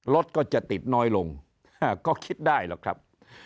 รถก็จะติดน้อยลงก็คิดได้หรอกครับ